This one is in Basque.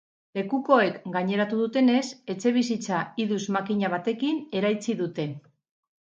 Lekukoek gaineratu dutenez, etxebizitza idus-makina batekin eraitsi dute.